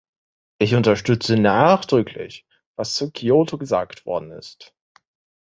Ich unterstütze nachdrücklich, was zu Kyoto gesagt worden ist.